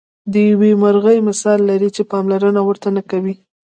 د یوې مرغۍ مثال لري چې پاملرنه ورته نه کوئ.